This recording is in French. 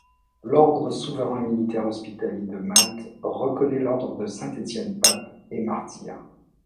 L'ordre souverain militaire hospitalier de Malte reconnaît l'ordre de Saint-Étienne pape et martyr.